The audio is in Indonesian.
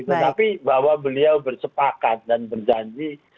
tetapi bahwa beliau bersepakat dan berjanji